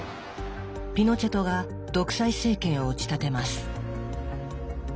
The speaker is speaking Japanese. ピノチェトが独裁政権を打ち立てます。